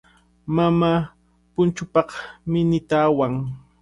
Mamaa punchuupaq minita awan.